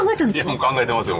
もう考えてますよ